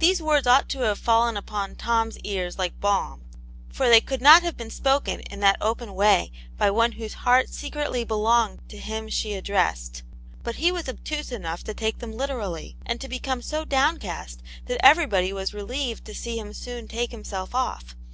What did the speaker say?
These words ought to have fallen upon Tom*s ears like balm, for they could not have been spoken in that open way by one whose heart secretly belonged to him she addressed. But he was obtuse enough to take them literally, and to become so downcast that everybody was relieved to see him soon take himself, off.